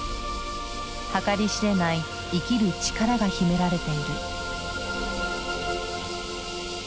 計り知れない生きる力が秘められている。